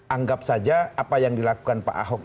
anggap saja apa yang dilakukan pak ahok